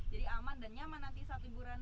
jadi aman dan nyaman nanti saat liburan